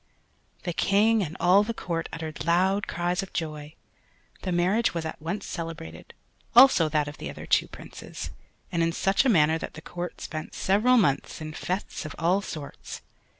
The King and all the Court uttered loud cries of joy. The marriage was at once celebrated, also that of the other two Princes; and in such a manner that the Court spent several months in fêtes of all sorts.